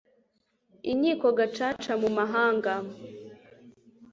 inkiko gacaca mu mahanga